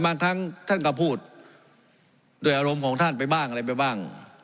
บางครั้งท่านก็พูดด้วยอารมณ์ของท่านไปบ้างอะไรไปบ้าง